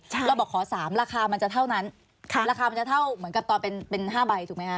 เราบอกขอสามราคามันจะเท่านั้นราคามันจะเท่าเหมือนกับตอนเป็น๕ใบถูกไหมคะ